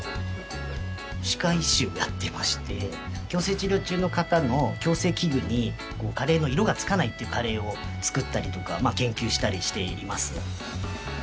歯科医師をやってまして矯正治療中の方の矯正器具にカレーの色が付かないっていうカレーを作ったりとか研究したりしています。